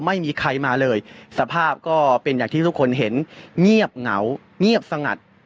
ไม่มีใครมาเลยสภาพก็เป็นอย่างที่ทุกคนเห็นเงียบเหงาเงียบสงัด